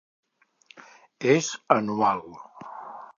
És anual.